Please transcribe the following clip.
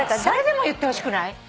それでも言ってほしくない？